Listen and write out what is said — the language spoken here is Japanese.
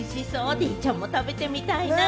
デイちゃんも食べてみたいな。